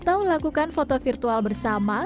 atau lakukan foto virtual bersama